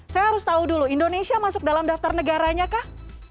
saya harus tahu dulu indonesia masuk dalam daftar negaranya kah